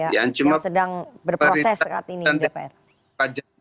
yang sedang berproses saat ini bpr